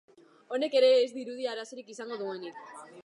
Honek ere ez dirudi arazorik izango duenik.